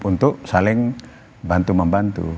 untuk saling bantu membantu